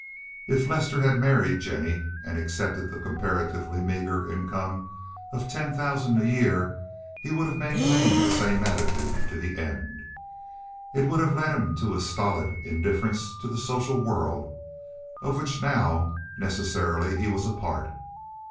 If Lester had married Jennie and accepted the comparatively meager income of ten thousand a year he would have maintained the same attitude to the end. It would have led him to a stolid indifference to the social world of which now necessarily he was a part.